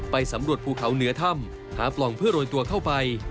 สำรวจภูเขาเหนือถ้ำหาปล่องเพื่อโรยตัวเข้าไป